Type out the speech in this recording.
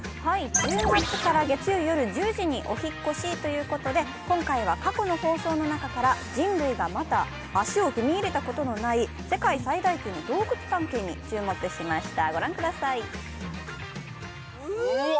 今月から月曜夜１０時にお引っ越しということで、今回は、過去の放送の中から人類がまだ足を踏み入れたことのない世界最大級の洞窟探検に注目しました、ご覧ください。